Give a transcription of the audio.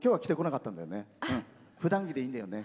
ふだん着でいいんだよね